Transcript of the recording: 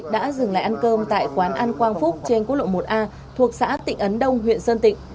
đã dừng lại ăn cơm tại quán ăn quang phúc trên quốc lộ một a thuộc xã tịnh ấn đông huyện sơn tịnh